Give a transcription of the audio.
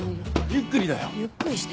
ゆっくりだよ！